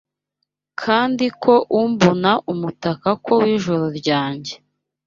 Kandi ko umbona umutako w'ijoro ryanjye